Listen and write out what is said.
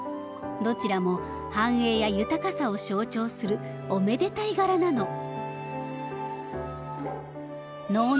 どちらも繁栄や豊かさを象徴するおめでたい柄なの。